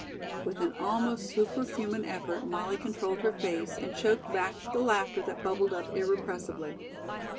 With an almost superhuman effort Molly controlled her face and choked back the laughter that bubbled up irrepressibly.